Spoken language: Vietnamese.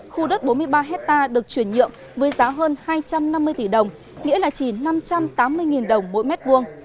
khu đất bốn mươi ba hectare được chuyển nhượng với giá hơn hai trăm năm mươi tỷ đồng nghĩa là chỉ năm trăm tám mươi đồng mỗi mét vuông